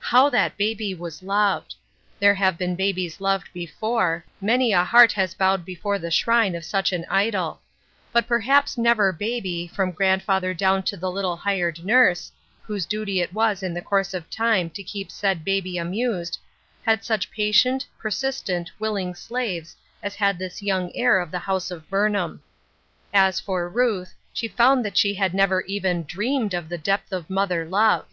How that baby was loved I There have been babies loved before — many a heart has bowed before the shrine of such an idol ; but perhaps never baby, from grandfather down to the little hired nurse, whose duty it was in the course of time to keep said baby amused, had such patient, persistent, willing slaves aa had this young heir of the house of Burnham. As for Ruth, she found that she had never even dreamed of the depth of mother love.